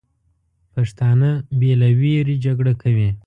پښتانه بې له ویرې جګړه کوي.